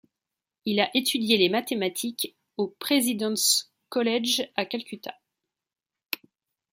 Il a étudié les mathématiques au Présidence College à Calcutta.